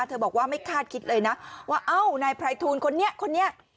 บอกว่าไม่คาดคิดเลยนะว่าเอ้านายไพรทูลคนนี้คนนี้